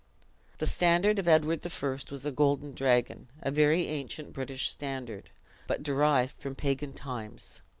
The standard of Edward I, was a golden dragon a very ancient British standard, but derived from pagan times.